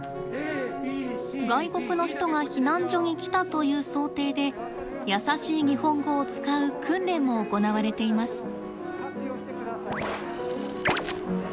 外国の人が避難所に来たという想定で「やさしい日本語」を使う訓練も行われています。